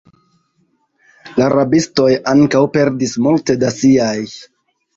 La rabistoj ankaŭ perdis multe da siaj.